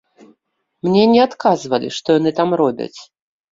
Мне не адказвалі, што яны там робяць.